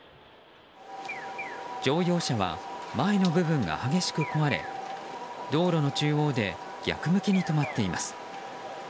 乗用車は前の部分が激しく壊れ道路の中央で逆向きに止まっています。